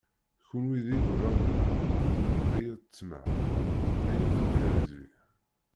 Kunwi d iḍulan-nneɣ, ay at tmaq, ay at ukerzi.